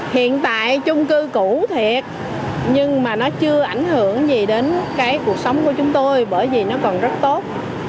hiện tại chung cư cũ thiệt nhưng mà nó chưa ảnh hưởng gì đến cái cuộc sống của chúng tôi bởi vì nó còn rất tốt